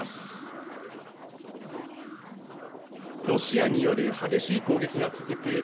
ロシアによる激しい攻撃が続く